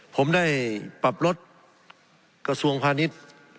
ผมได้ปรับลดกระทรวงพาณิชย์